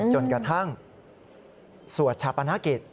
จนกระทั่งสวดชาปนกิจ